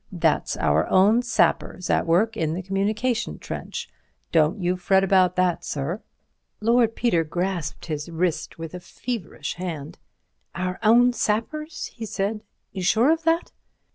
That's our own sappers at work in the communication trench. Don't you fret about that, sir." Lord Peter grasped his wrist with a feverish hand. "Our own sappers," he said; "sure of that?"